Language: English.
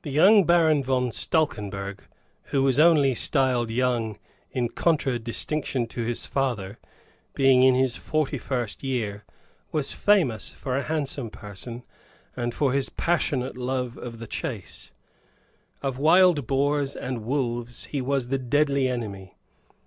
The young Baron von Stalkenberg, who was only styled young in contradistinction to his father, being in his forty first year, was famous for a handsome person, and for his passionate love of the chase: of wild boars and wolves he was the deadly enemy.